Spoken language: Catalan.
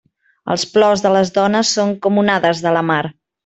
Els plors de les dones són com onades de la mar.